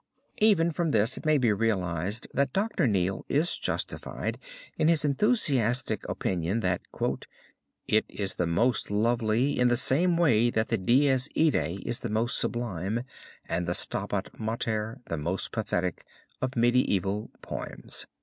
Even from this it may be realized that Doctor Neale is justified in his enthusiastic opinion that "it is the most lovely, in the same way that the Dies Irae is the most sublime, and the Stabat Mater the most pathetic, of medieval poems."